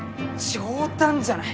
冗談じゃない！